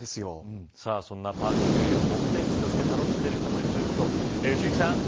そんなパーキングエリアを目的地として楽しんでいる人もいるということ。